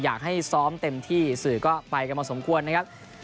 อยากให้ซ้อมเต็มที่สื่อก็ไปกันพอสมควรนะครับ